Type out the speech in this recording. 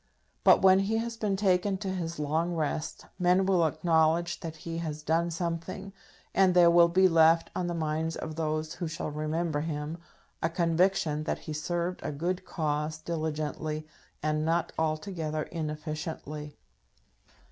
But when he has been taken to his long rest, men will acknowledge that he has done something, and there will be left on the minds of those who shall remember him a conviction that he served a good cause diligently, and not altogether inefficiently.